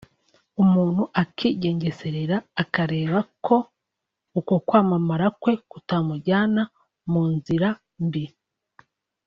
umuntu akigengesera akareba ko uko kwamamara kwe kutamujyana mu nzira mbi